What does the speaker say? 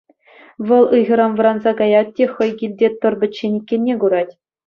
Вӑл ыйхӑран вӑранса каять те хӑй килте тӑр пӗччен иккенне курать.